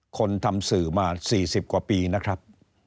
ทำสื่อมา๔๐กว่าปีนะครับ